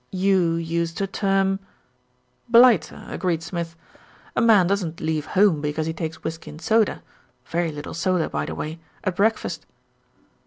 "You used the term " "Blighter," agreed Smith. "A man doesn't leave home because he takes whisky and soda very little soda, by the way at breakfast."